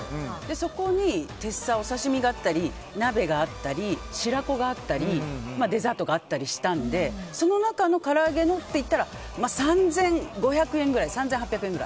そこに、お刺し身だったり鍋だったり白子があったりデザートがあったりしたのでその中のから揚げって言ったらまあ、３５００円ぐらい３８００円ぐらい。